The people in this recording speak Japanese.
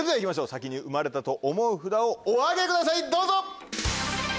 先に生まれたと思う札をお挙げくださいどうぞ！